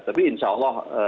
tapi insya allah